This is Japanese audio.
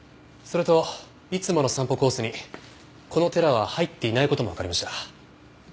それといつもの散歩コースにこの寺は入っていない事もわかりました。